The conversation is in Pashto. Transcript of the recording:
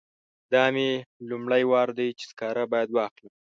دا مې لومړی وار دی چې سکاره باید واخلم.